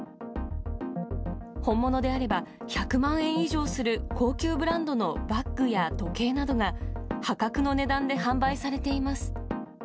本物であれば、１００万円以上する高級ブランドのバッグや時計などが、破格の値段で販売されています。